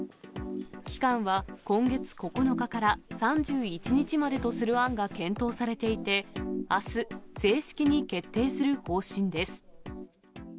期間は今月９日から３１日までとする案が検討されていて、あす、正式に決定する方針です。